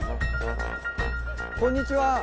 こんにちは。